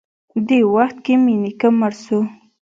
دې وخت کښې مې نيکه مړ سو.